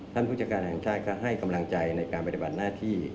ผู้จัดการแห่งชาติก็ให้กำลังใจในการปฏิบัติหน้าที่